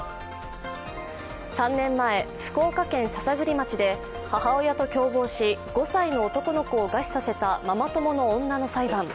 ３年前、福岡県篠栗町で母親と共謀し５歳の男の子を餓死させたママ友の女の裁判。